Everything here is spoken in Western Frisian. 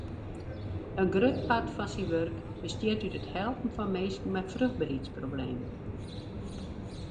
In grut part fan syn wurk bestiet út it helpen fan minsken mei fruchtberheidsproblemen.